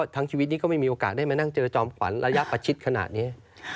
ชีวิตนี้ก็ไม่มีโอกาสได้มานั่งเจอจอมขวัญระยะประชิดขนาดนี้